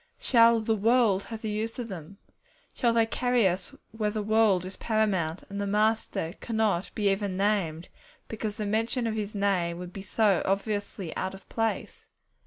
Shall 'the world' have the use of them? Shall they carry us where the world is paramount, and the Master cannot be even named, because the mention of His Name would be so obviously out of place?